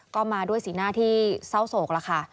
ก็มาด้วยสีหน้าที่เศร้าโศกแล้วค่ะ